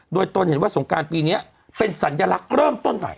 โดยตนเห็นว่าสงการปีนี้เป็นสัญลักษณ์เริ่มต้นใหม่